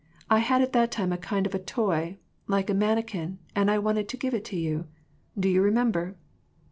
I had at that time a kind of a toy, like a manikin, and I wanted to give it to you ! Do you remember